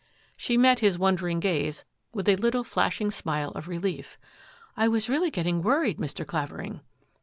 She met his wondering gaze with a little flashing smile of relief. " I was really getting worried, Mr. Clavering."